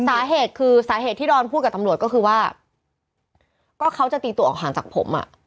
สาเหตุคือสาเหตุที่ดอนพูดกับตำรวจก็คือว่าก็เขาจะตีตัวออกห่างจากผมอ่ะ